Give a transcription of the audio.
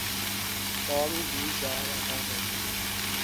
Tom भी जा रहा है।